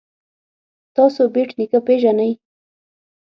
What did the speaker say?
تاسو بېټ نیکه پيژنئ.